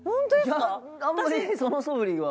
あんまりそのそぶりは。